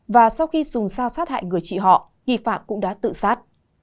và sau khi dùng xa sát hại người chị họ nghi phạm cũng đã tự sát